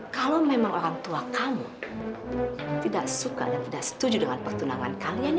kalau memang orang tua kami tidak suka dan tidak setuju dengan pertunangan kalian